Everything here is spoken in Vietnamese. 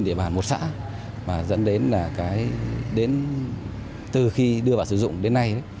địa bàn một xã mà dẫn đến là cái đến từ khi đưa vào sử dụng đến nay